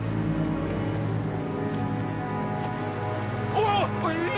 おい！